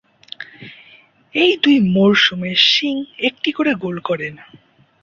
এই দুই মরশুমে সিং একটি করে গোল করেন।